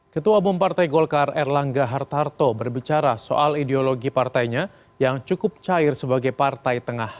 ketua umum partai golkar erlangga hartarto berbicara soal ideologi partainya yang cukup cair sebagai partai tengah